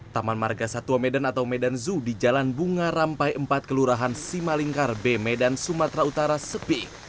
taman marga satwa medan atau medan zoo di jalan bunga rampai empat kelurahan simalingkar b medan sumatera utara sepi